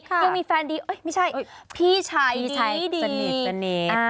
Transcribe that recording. ยังมีแฟนดีไม่ใช่พี่ชายดีพี่ชายสนิท